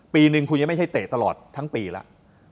ปีนึงคุณยังไม่ใช่เตะตลอดทั้งปีแล้ว